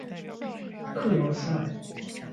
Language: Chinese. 克罗塞。